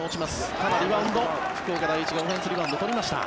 ただ、リバウンド福岡第一がオフェンスリバウンド取りました。